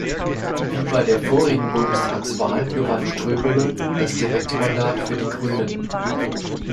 Wie bei der vorigen Bundestagswahl gewann Ströbele das Direktmandat für die Grünen.